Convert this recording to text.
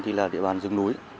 thì là địa bàn rừng núi